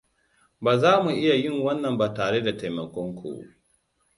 Ba za mu iya yin wannan ba tare da taimakon ku.